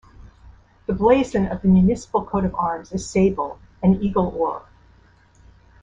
The blazon of the municipal coat of arms is Sable, an Eagle Or.